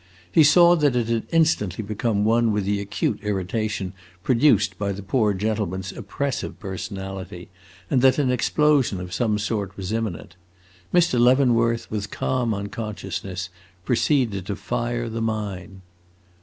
He saw that it had instantly become one with the acute irritation produced by the poor gentleman's oppressive personality, and that an explosion of some sort was imminent. Mr. Leavenworth, with calm unconsciousness, proceeded to fire the mine.